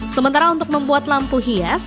sementara untuk membuat lampu hias